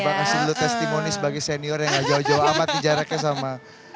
coba kasih dulu testimoni sebagai senior yang gak jauh jauh amat di jaraknya sama